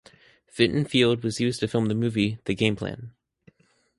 Fitton Field was used to film the movie "The Game Plan".